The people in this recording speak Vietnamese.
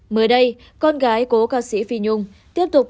mới đây con gái cố ca sĩ phi nhung tiếp tục